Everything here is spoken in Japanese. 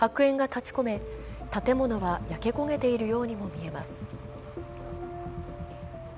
白煙が立ち込め、建物は焼け焦げているようにも見えます。